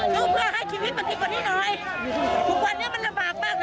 สู้เพื่อให้ชีวิตปกติก่อนนี้หน่อยทุกวันนี้มันลำบากมากมากเกิน